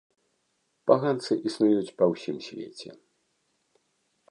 Паганцы існуюць па ўсім свеце.